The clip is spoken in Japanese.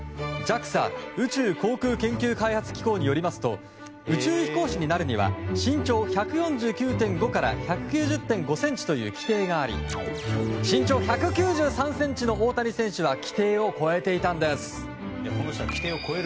ＪＡＸＡ・宇宙航空研究開発機構によりますと宇宙飛行士になるには身長１４９．５から１９０．５ｃｍという規定があり身長１９３ｃｍの大谷選手は規定を超えていたんです。